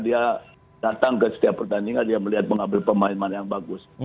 dia datang ke setiap pertandingan dia melihat mengambil pemain pemain yang bagus